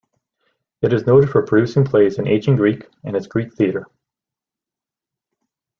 It is noted for producing plays in Ancient Greek and its Greek Theatre.